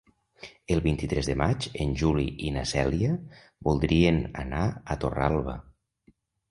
El vint-i-tres de maig en Juli i na Cèlia voldrien anar a Torralba.